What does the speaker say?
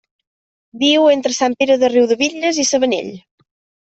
Viu entre Sant Pere de Riudebitlles i Sabanell.